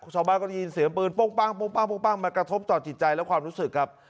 ชาวบ้านก็ได้ยินเสียงปืนปุ้งปั้งมากระทบต่อจิตใจและความรู้สึกครับ